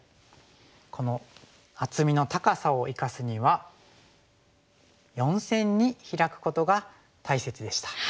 この厚みの高さを生かすには４線にヒラくことが大切でした。